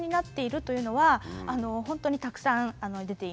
というのは本当にたくさん出ています。